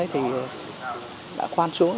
thì khoan xuống